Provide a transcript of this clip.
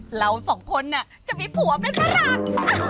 เราสองคนน่ะจะมีผัวเป็นฝรั่ง